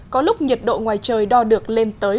có lúc nhiệt độ ngoài trời đo được lên tới